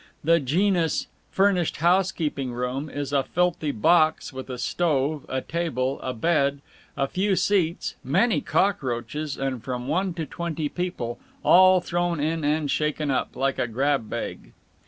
The genus "furnished housekeeping room" is a filthy box with a stove, a table, a bed, a few seats, many cockroaches, and from one to twenty people, all thrown in and shaken up, like a grab bag.